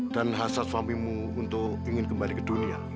dan hasrat suamimu untuk ingin kembali ke dunia